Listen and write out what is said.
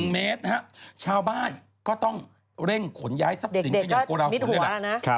๑เมตรนะครับชาวบ้านก็ต้องเร่งขนย้ายทรัพย์สินกันอย่างโกราวุฒิเลยล่ะ